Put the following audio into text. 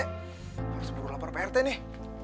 harus buru lapar prt nih